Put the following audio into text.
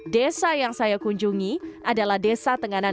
desa yang saya kunjungi adalah desa tenganan